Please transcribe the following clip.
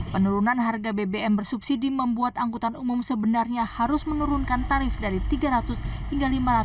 penurunan harga bbm bersubsidi membuat angkutan umum sebenarnya harus menurunkan tarif dari tiga ratus hingga lima ratus